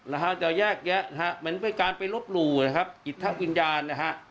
เราจะแยกแยะเหมือนการไปรบหลู่อิทธะวิญญาณ